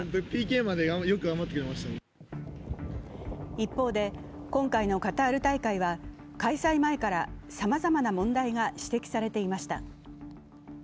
一方で今回のカタール大会は開催前からさまざまな問題が指摘されていました。